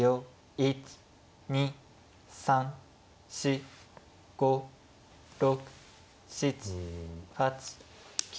１２３４５６７８９。